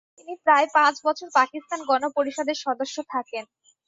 তিনি প্রায় পাঁচ বছর পাকিস্তান গণপরিষদের সদস্য থাকেন।